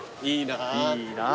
いいなあ。